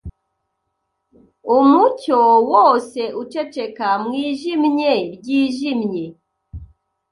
Umucyo wose uceceka mwijimye ryijimye